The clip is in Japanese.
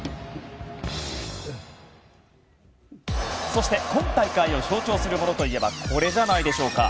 そして今大会を象徴するものといえばこれじゃないでしょうか。